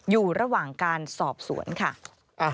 อยู่ระหว่างการสอบสวนค่ะ